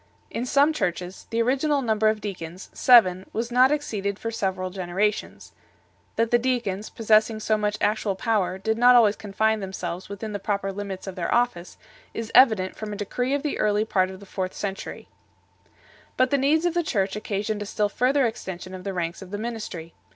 In some Churches, the original number of deacons, seven, was not exceeded for several generations 3 . That the deacons, possessing so much actual power, did not always confine themselves within the proper limits of their office, is evident from a decree of the early part of the fourth century 4 . But the needs of the Church occasioned a still further extension of the ranks of the ministry.